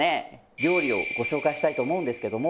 料理をご紹介したいと思うんですけども。